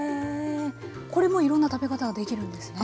これもいろんな食べ方ができるんですね？